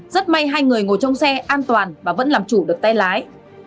rất may hai người ngồi trong xe an toàn và vẫn làm chủ được tay lái